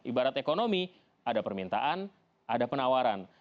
ibarat ekonomi ada permintaan ada penawaran